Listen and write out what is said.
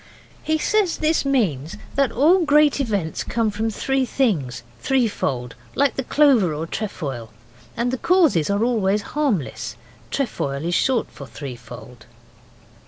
He says this means that all great events come from three things threefold, like the clover or trefoil, and the causes are always harmless. Trefoil is short for threefold.